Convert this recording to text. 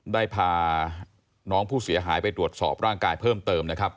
ได้พาน้องผู้เสียหายไปตรวจสอบร่างกายเพิ่มเติมนะครับ